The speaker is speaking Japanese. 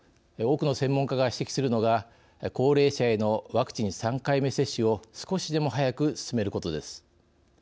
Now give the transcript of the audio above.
多くの専門家が指摘するのが高齢者へのワクチン３回目接種を少しでも早く進めることです。